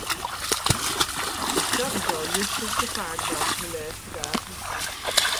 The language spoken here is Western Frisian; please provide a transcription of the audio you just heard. Dat is al justjes te faak bard de lêste dagen.